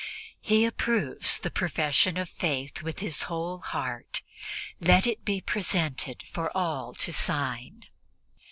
He approves the profession of Faith with his whole heart; let it be presented to all to sign.